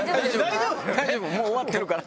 大丈夫、もう終わってるから。